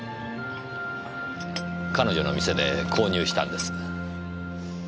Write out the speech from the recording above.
彼女の店で購入したんです。